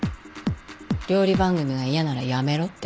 料理番組が嫌なら辞めろって。